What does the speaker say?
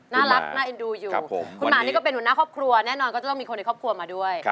น่ารักน่าเอ็นดูอยู่คุณหมานี่ก็เป็นหัวหน้าครอบครัวแน่นอนก็จะต้องมีคนในครอบครัวมาด้วย